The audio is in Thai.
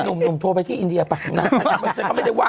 ข้อมูลของเหยื่อเขาบอกว่า